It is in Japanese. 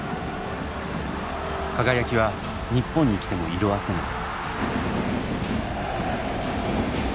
輝きは日本に来ても色あせない。